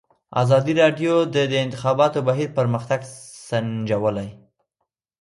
ازادي راډیو د د انتخاباتو بهیر پرمختګ سنجولی.